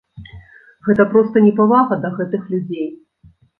Гэта проста непавага да гэтых людзей!